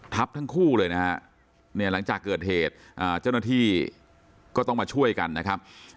ทั้งคู่เลยนะฮะเนี่ยหลังจากเกิดเหตุเจ้าหน้าที่ก็ต้องมาช่วยกันนะครับ